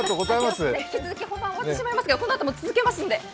本番終わってしまいますが、このあとも続けますので。